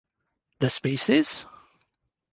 The species ?